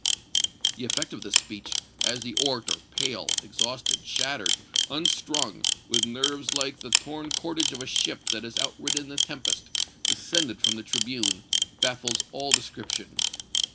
The effect of this speech, as the orator, pale, exhausted, shattered, unstrung, with nerves like the torn cordage of a ship that has outridden the tempest, descended from the tribune, baffles all description.